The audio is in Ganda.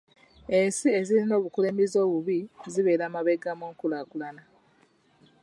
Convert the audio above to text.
Ensi ezirina obukulembeze obubi zibeera mabega mu nkulaakulana.